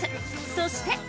そして。